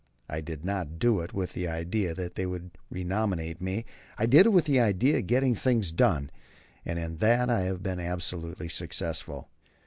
I did not do it with the idea that they would renominate me. I did it with the idea of getting things done, and in that I have been absolutely successful.